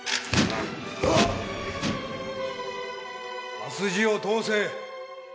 刃筋を通せ。